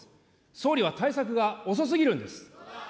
総理は対策が遅すぎるんです。